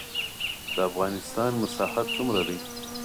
د افغانستان مساحت څومره دی؟